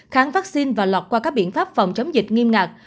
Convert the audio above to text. kháng vaccine và lọt qua các biện pháp phòng chống dịch nghiêm ngạc